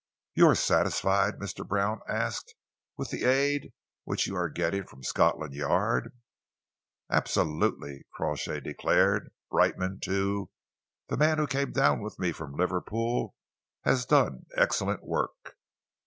"You are satisfied," Mr. Brown asked, "with the aid which you are getting from Scotland Yard?" "Absolutely," Crawshay declared. "Brightman, too the man who came down with me from Liverpool has done excellent work."